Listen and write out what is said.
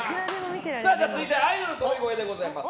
続いてアイドル鳥越でございます。